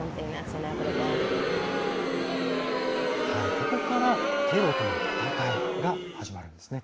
ここからテロとの戦いが始まるんですね。